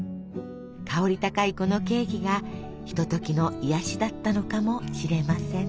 香り高いこのケーキがひとときの癒やしだったかもしれません。